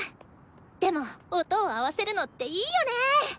でも音を合わせるのっていいよね。